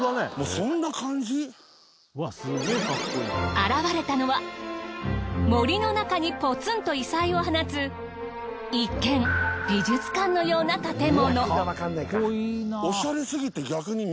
現れたのは森の中にポツンと異彩を放つ一見美術館のような建物。